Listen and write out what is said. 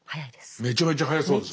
めちゃめちゃ速そうですね。